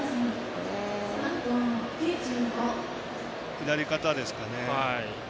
左肩ですかね。